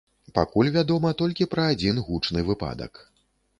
Пакуль вядома толькі пра адзін гучны выпадак.